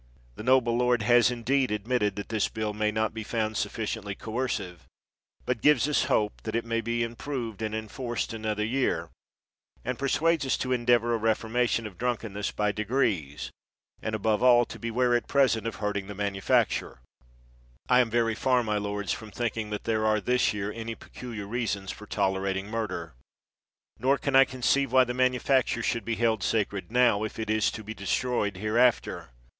The noble lord has, indeed, admitted that this bill may not be found sufficiently coercive, but gives us hopes that it may be improved and en forced another year, and persuades us to en deavor a reformation of drunkenness by degrees, and, above all, to beware at present of hurting the manufacture. I am very far, my lords, from thinking that there are, this year, any peculiar reasons for tolerating murder; nor can I conceive why the manufacture should be held sacred now, if it be to be destroyed hereafter.